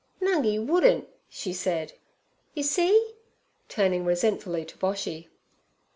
'Nungi wouldn't' she said, 'you see'—turning resentfully to Boshy.